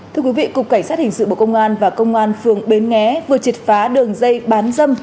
thưa quý vị cục cảnh sát hình sự bộ công an và công an phường bến nghé vừa triệt phá đường dây bán dâm